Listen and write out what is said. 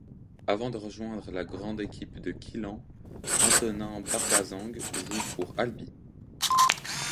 Avant de rejoindre la grande équipe de Quillan, Antonin Barbazangues joue pour Albi.